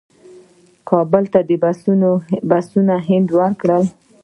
کابل ته بسونه هند ورکړل.